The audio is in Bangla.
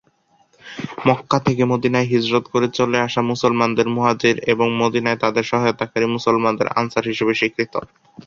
মক্কা থেকে মদীনায় হিজরত করে চলে আসা মুসলমানদের মুহাজির এবং মদীনায় তাঁদের সহায়তাকারী মুসলমানদের আনসার হিসেবে স্বীকৃত।